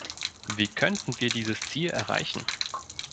Wie könnten wir dieses Ziel erreichen?